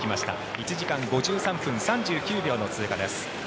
１時間５３分３９秒の通過です。